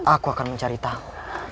aku akan mencari tahu